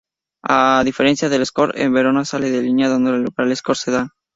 A diferencia del Escort, el Verona sale de línea, dando lugar al Escort Sedan.